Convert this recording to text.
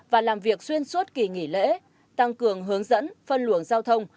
và làm việc xuyên suốt kỳ nghỉ lễ tăng cường hướng dẫn phân luồng giao thông